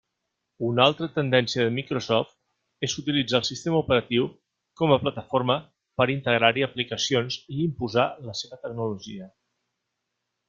Una altra tendència de Microsoft és utilitzar el sistema operatiu com a plataforma per integrar-hi aplicacions i imposar la seva tecnologia.